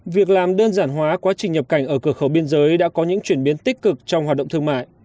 việc làm đơn giản hóa quá trình nhập cảnh ở cửa khẩu biên giới đã có những chuyển biến tích cực trong hoạt động thương mại